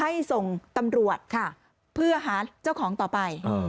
ให้ส่งตำรวจค่ะเพื่อหาเจ้าของต่อไป